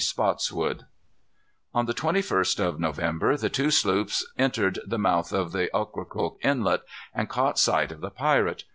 Spottswood. On the 21st of November the two sloops entered the mouth of Ocracoke Inlet, and caught sight of the pirate.